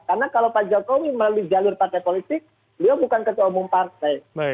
karena kalau pak jokowi melalui jalur partai politik beliau bukan ketua umum partai